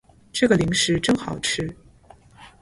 这个零食真好吃